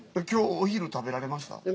今日お昼食べられました？